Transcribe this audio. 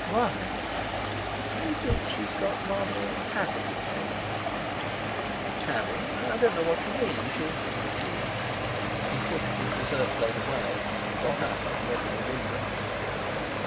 "Why?" "We think she's got rather a 'having' nature." "'Having'. I don't know what you mean. She—she—" he pushed his dessert plate away, got up, and went to the window.